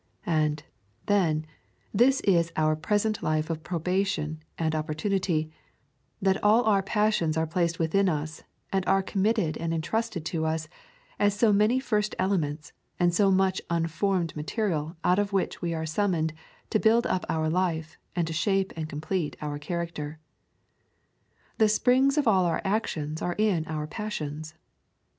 And, then, this is our present life of probation and opportunity, that all our passions are placed within us and are committed and entrusted to us as so many first elements and so much unformed material out of which we are summoned to build up our life and to shape and complete our character. The springs of all our actions are in our passions.